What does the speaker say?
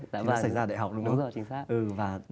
thì nó xảy ra đại học đúng không